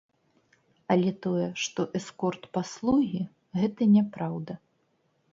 Але тое, што эскорт-паслугі, гэта няпраўда.